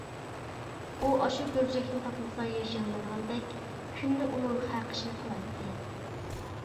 ئۇ ئاشۇ گۈرجەكنى تاپمىسا ياشىيالمايدىغاندەك، كۈندە ئۇنىڭ خەقىشىنى قىلاتتى.